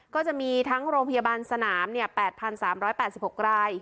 ก็จะมีทั้งโรงพยาบาลสนาม๘๓๘๖ราย